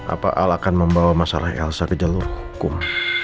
apa al akan membawa masalah elsa ke jalur hukum